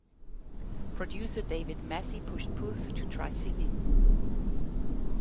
Producer David Massey pushed Puth to try singing.